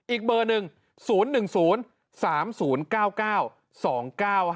อีกเบอร์หนึ่ง๐๑๐๓๐๙๙๒๙๕